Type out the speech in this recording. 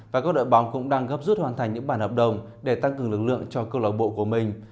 và các đội bóng cũng đang gấp rút hoàn thành những bản hợp đồng để tăng cường lực lượng cho câu lạc bộ của mình